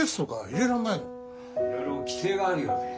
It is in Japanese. いろいろ規定があるようで。